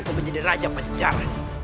aku menjadi raja pencar